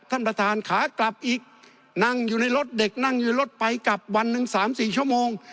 ท่านประธานขากลับอีกนั่งอยู่ในรถเด็กนั่งอยู่รถไปกลับวันหนึ่งสามสี่ชั่วโมง